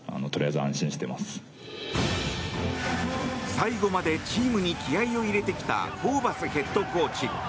最後までチームに気合を入れてきたホーバスヘッドコーチ。